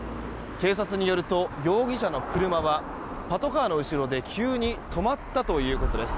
警察によると容疑者の車はパトカーの後ろで急に止まったということです。